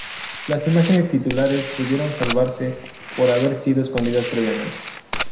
Las imágenes titulares pudieron salvarse por haber sido escondidas previamente.